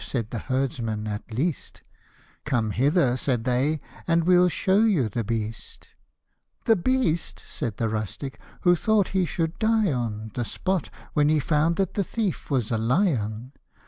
said the herdsman, " at least ;"" Come hither/' said they, " and we'll show you the beast." " The least !" said the rustic, who thought he should die on The spot, when he found that the thief was a lion